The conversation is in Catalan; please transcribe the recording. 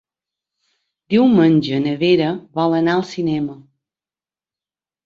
Diumenge na Vera vol anar al cinema.